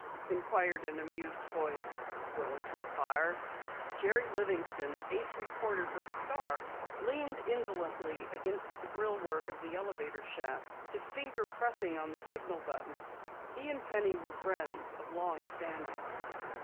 inquired an amused voice. "Going to a fire?" Jerry Livingston, ace reporter for the Star, leaned indolently against the grillwork of the elevator shaft, his finger pressed on the signal button. He and Penny were friends of long standing.